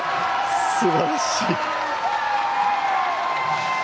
すばらしい。